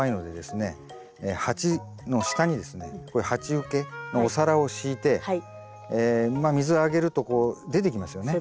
鉢の下にですねこういう鉢受けのお皿を敷いて水をあげるとこう出てきますよね。